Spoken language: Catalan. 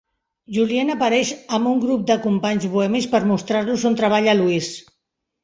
Julien apareix amb un grup de companys bohemis per mostrar-los on treballa Louise.